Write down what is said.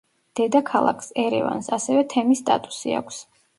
დედაქალაქს, ერევანს, ასევე თემის სტატუსი აქვს.